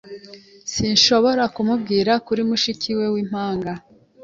Sinshobora kumubwira kuri mushiki we w'impanga.